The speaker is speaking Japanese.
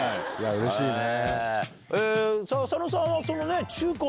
うれしいね。